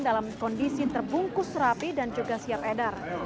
dalam kondisi terbungkus rapi dan juga siap edar